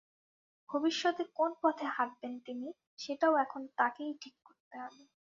ভবিষ্যতে কোন পথে হাঁটবেন তিনি সেটাও এখন তাঁকেই ঠিক করতে হবে।